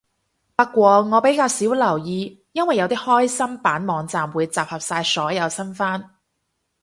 不過我比較少留意，因為有啲開心版網站會集合晒所有新番